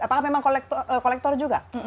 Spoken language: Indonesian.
apakah memang kolektor juga